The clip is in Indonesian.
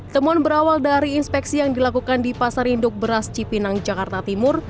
temuan berawal dari inspeksi yang dilakukan di pasar induk beras cipinang jakarta timur